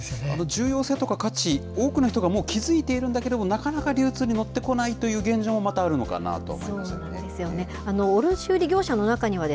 重要性とか価値、多くの人たちがもう気付いているんだけれども、なかなか流通に乗ってこないという現状も、またあるのかなと。